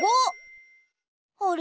あれ？